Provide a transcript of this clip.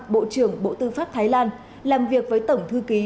bộ trưởng bộ tư pháp thái lan làm việc với tổng thư ký